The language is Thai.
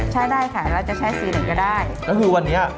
ใช้ได้ค่ะแล้วจะใช้สีหน่อยก็ได้ก็คือวันนี้อะ